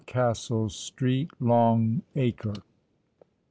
CASTLE STREET, LONG ACRE.